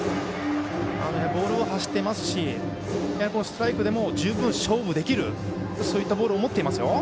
ボール、走ってますしストライクでも十分勝負できるそういったボールを持っています。